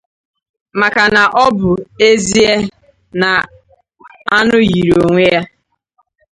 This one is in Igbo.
maka na ọ bụ ezie na anụ yiri onwe ha